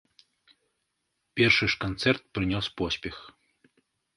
Першы ж канцэрт прынёс поспех.